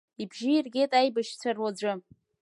Ибжьы иргеит аибашьцәа руаӡәы.